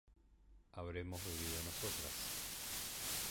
¿habremos bebido nosotras?